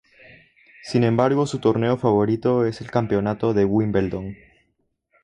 Sin embargo su torneo favorito es el Campeonato de Wimbledon.